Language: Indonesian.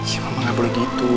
iya mama gak boleh gitu